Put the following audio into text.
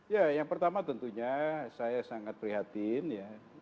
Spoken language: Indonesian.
ya yang pertama tentunya saya sangat prihatin ya